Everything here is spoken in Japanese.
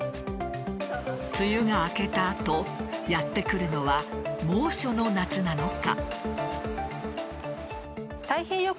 梅雨が明けた後やってくるのは猛暑の夏なのか。